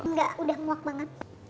nggak udah muak banget